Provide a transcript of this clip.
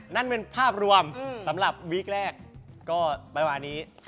นั่นเป็นภาพรวมสำหรับวีคแรกก็ประมาณนี้